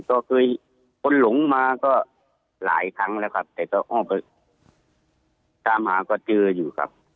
ก็เคยคนหลงมาก็หลายครั้งแล้วครับแต่ก็อ้อมไปตามหาก็เจออยู่ครับ